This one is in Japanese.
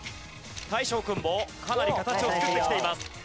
大昇君もかなり形を作ってきています。